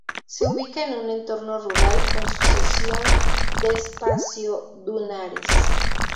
Se ubica en un entorno rural, con sucesión de espacio dunares.